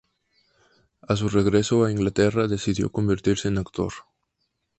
A su regreso a Inglaterra, decidió convertirse en actor.